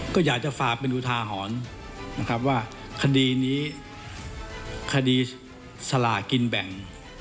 ก็อยากจะฝากเป็นอุทาหรณ์นะครับว่าคดีนี้คดีสลากินแบ่ง